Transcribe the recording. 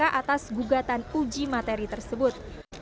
atas gugatan uji materi tersebut